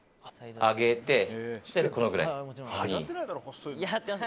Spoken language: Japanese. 上げて、このぐらい。